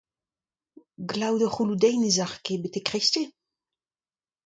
Glav da c'houloù-deiz ne zalc'h ket betek kreisteiz.